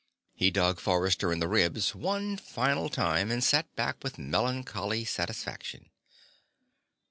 He dug Forrester in the ribs one final time and sat back with melancholy satisfaction.